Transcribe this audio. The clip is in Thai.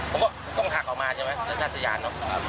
ผมก็ต้องหักออกมาใช่ไหมรถจักรยานเนอะ